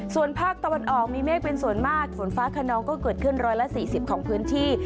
ส่วนภาคตะวันออกมีเมฆเป็นส่วนมากฝนฟ้าขนองก็เกิดขึ้น๑๔๐ของพื้นที่